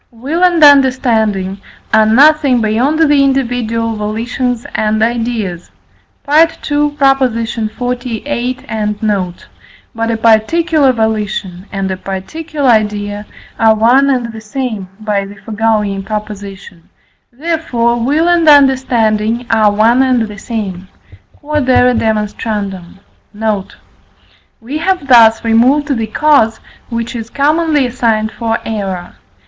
Will and understanding are nothing beyond the individual volitions and ideas (II. xlviii. and note). But a particular volition and a particular idea are one and the same (by the foregoing Prop.); therefore, will and understanding are one and the same. Q.E.D. Note. We have thus removed the cause which is commonly assigned for error.